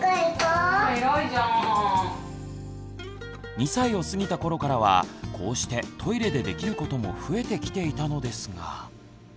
２歳を過ぎた頃からはこうしてトイレでできることも増えてきていたのですが。